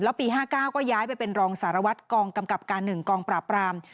แล้วปี๕๙ก็ย้ายไปเป็นรองสารวัตรกองกำกับการ๑กองปราบราม